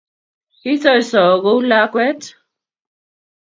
Kisoso kou lakwet